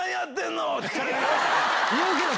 言うけど！